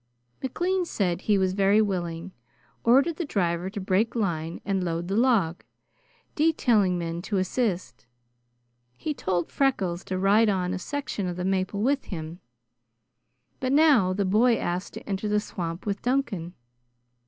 McLean said he was very willing, ordered the driver to break line and load the log, detailing men to assist. He told Freckles to ride on a section of the maple with him, but now the boy asked to enter the swamp with Duncan.